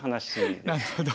なるほど。